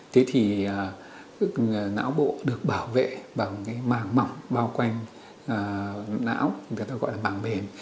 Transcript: thế thì não bộ được bảo vệ bằng cái mảng mỏng bao quanh não người ta gọi là mảng mềm